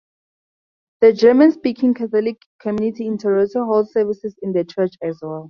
The German-speaking Catholic community in Toronto holds services in the church as well.